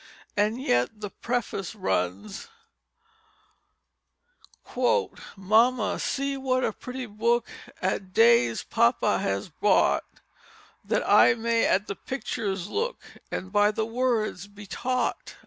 And yet the preface runs: "Mamma See what a Pretty Book At Day's Pappa has bought, That I may at the pictures look And by the words be taught."